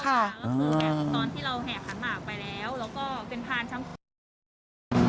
ก็คือแอบตอนที่เราแห่ขันหมากไปแล้วแล้วก็เป็นพานช้าง